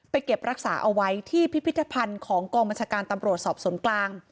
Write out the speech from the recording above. เก็บรักษาเอาไว้ที่พิพิธภัณฑ์ของกองบัญชาการตำรวจสอบสวนกลาง